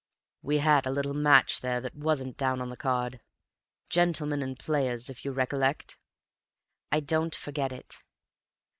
"We had a little match there that wasn't down on the card. Gentlemen and Players, if you recollect?" "I don't forget it."